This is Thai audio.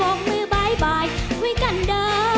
น้องมักอายหลายขอเบอร์และกลายยักษ์ทำอายว่าอายมีเมียไปทายักษ์